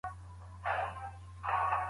الله جل جلاله ډېر عزيز او حکيم ذات دی.